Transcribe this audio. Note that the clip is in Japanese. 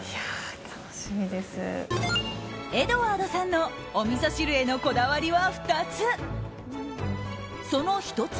エドワードさんのおみそ汁へのこだわりは２つ。